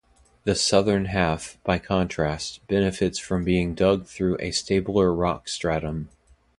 The southern half, by contrast, benefits from being dug through a stabler rock stratum.